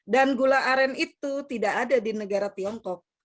dan gula aren itu tidak ada di negara tiongkok